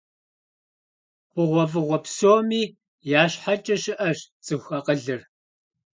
ХъугъуэфӀыгъуэ псоми я щхьэкӀэ щыӀэщ цӀыху акъылыр.